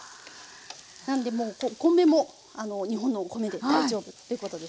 なんでお米も日本のお米で大丈夫ということですね。